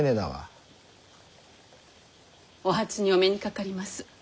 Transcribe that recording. お初にお目にかかります。